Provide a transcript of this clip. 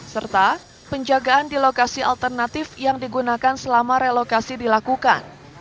serta penjagaan di lokasi alternatif yang digunakan selama relokasi dilakukan